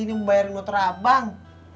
gak ada yang bayarin nutra bang